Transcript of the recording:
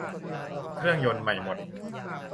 เครื่องยนต์ใหม่หมด